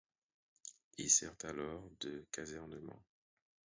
Il sert alors de casernement.